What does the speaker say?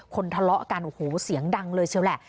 ทะเลาะกันโอ้โหเสียงดังเลยเชียวแหละ